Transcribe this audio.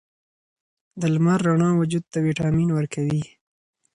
د لمر رڼا وجود ته ویټامین ورکوي.